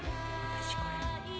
私これ。